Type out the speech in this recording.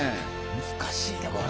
難しいでこれ。